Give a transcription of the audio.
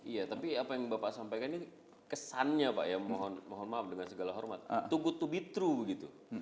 iya tapi apa yang bapak sampaikan kesannya pak ya mohon maaf dengan segala hormat too good to be true